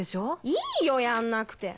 いいよやんなくて。